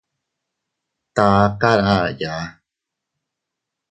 Tkar aa aʼaya.